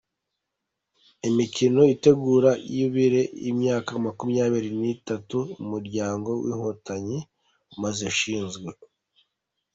Imikino itegura yubile y’imyaka makumyabiri nitanu umuryango winkotanyi umaze ushinzwe